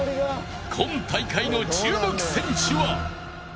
今大会の注目選手は。